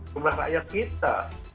jumlah rakyat kita